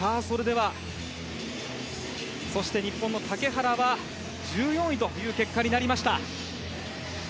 そして日本の竹原は１４位という結果になりました。